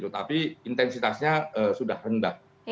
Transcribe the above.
tapi intensitasnya sudah rendah